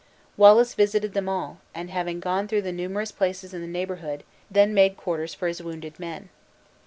Wallace visited them all, and having gone through the numerous places in the neighborhood, then made quarters for his wounded men.